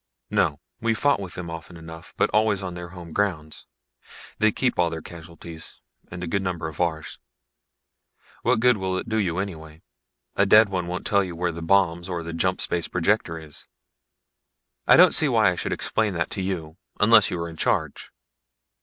"No. We've fought with them often enough, but always on their home grounds. They keep all their casualties, and a good number of ours. What good will it do you anyway? A dead one won't tell you where the bombs or the jump space projector is." "I don't see why I should explain that to you unless you are in charge.